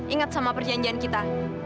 ingat sama perjanjian kita